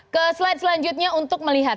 ke slide selanjutnya untuk melihat